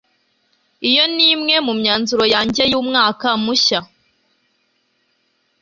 Iyo ni imwe mu myanzuro yanjye y'umwaka mushya.